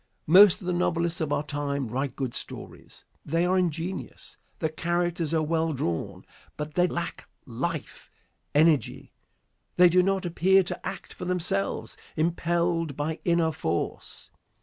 Most of the novelists of our time write good stories. They are ingenious, the characters are well drawn, but they lack life, energy. They do not appear to act for themselves, impelled by inner force.